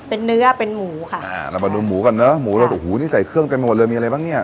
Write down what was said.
เป็นเนื้อเป็นหมูค่ะอ่าเรามาดูหมูก่อนเนอะหมูเราสุกหูนี่ใส่เครื่องเต็มไปหมดเลยมีอะไรบ้างเนี้ย